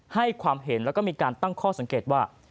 ให้ความเห็นแล้วก็มีการตั้งข้อสังเกตว่า